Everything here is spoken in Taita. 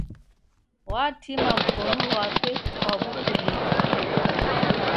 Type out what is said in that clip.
Watima mkonu ghwape kwa w'ukulima.